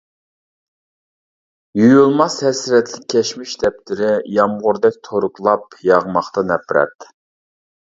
يۇيۇلماس ھەسرەتلىك كەچمىش دەپتىرى، يامغۇردەك تورۇكلاپ ياغماقتا نەپرەت.